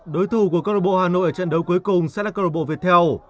đối thủ của cơ đội bộ hà nội ở trận đấu cuối cùng sẽ là cơ đội bộ việt theo